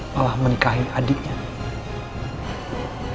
malah menikahi adiknya